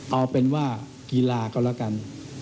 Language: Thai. เอาเป็นว่ากีฬาก็แล้วกัน